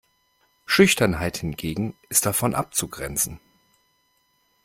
Schüchternheit hingegen ist davon abzugrenzen.